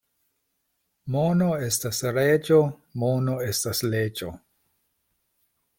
Mono estas reĝo, mono estas leĝo.